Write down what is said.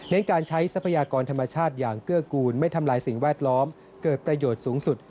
การใช้ทรัพยากรธรรมชาติอย่างเกื้อกูลไม่ทำลายสิ่งแวดล้อมเกิดประโยชน์สูงสุด